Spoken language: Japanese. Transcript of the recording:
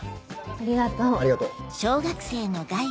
ありがとう。